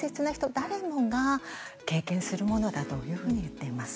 誰もが経験するものだというふうに言っています。